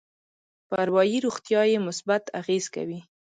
په اروایي روغتيا يې مثبت اغېز کوي.